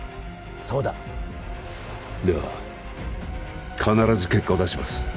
そうだでは必ず結果を出します